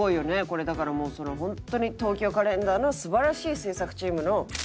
これだからもう本当に『東京カレンダー』の素晴らしい制作チームの人たちが。